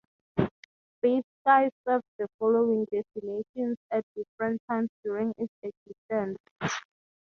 Big Sky served the following destinations at different times during its existence.